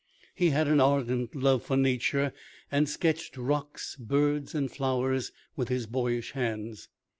He had an ardent love for nature, and sketched rocks, birds, and flowers with his boyish hands.